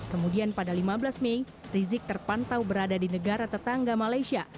kemudian pada lima belas mei rizik terpantau berada di negara tetangga malaysia